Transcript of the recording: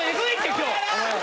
今日。